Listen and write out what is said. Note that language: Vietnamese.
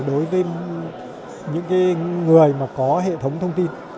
đối với những người mà có hệ thống thông tin